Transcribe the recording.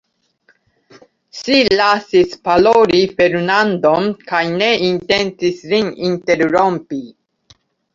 Ŝi lasis paroli Fernandon, kaj ne intencis lin interrompi.